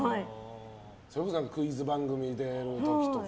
それこそクイズ番組に出る時とか。